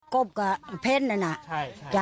กบกับเพลนนะน่ะใช่